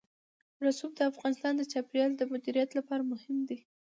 رسوب د افغانستان د چاپیریال د مدیریت لپاره مهم دي.